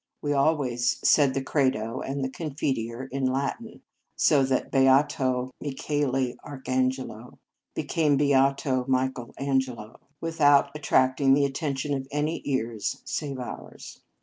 We always said the Credo and Confiteor in Latin, so that beato Michaeli Arch angelo became beato Michael An gelO) without attracting the attention of any ears save ours.